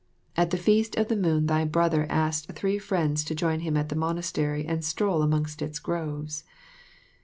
At the Feast of the Moon thy brother asked three friends to join him at the monastery and stroll amongst its groves.